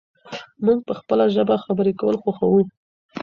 موږ په خپله ژبه خبرې کول خوښوو.